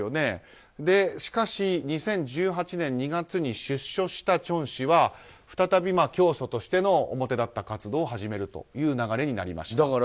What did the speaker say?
しかし２０１８年２月に出所したチョン氏は再び教祖としての表立った活動を始めることになりました。